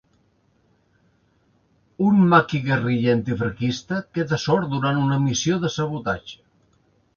Un maqui –guerriller antifranquista– queda sord durant una missió de sabotatge.